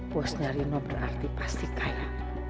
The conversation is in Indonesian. puasnya rino berarti pasti kaya